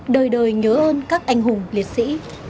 đời đời nhớ ơn các anh hùng liệt sĩ